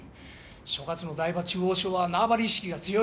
所轄の台場中央署は縄張り意識が強い。